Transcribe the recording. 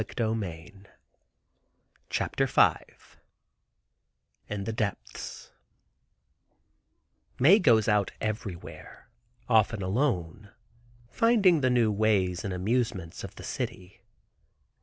[Illustration: Decoration] "In the depths" Mae goes out everywhere, often alone, finding the new ways and amusements of the city.